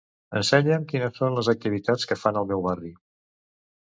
Ensenya'm quines són les activitats que fan al meu barri.